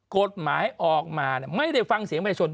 กฎหมายออกมาไม่ได้ฟังเสียงประชาชน